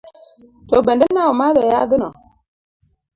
To bende ne omadho yadhno?